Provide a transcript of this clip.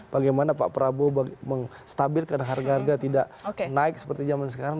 bagaimana pak prabowo menstabilkan harga harga tidak naik seperti zaman sekarang